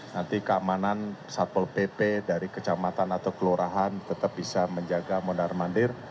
nanti keamanan satpol pp dari kecamatan atau kelurahan tetap bisa menjaga mondar mandir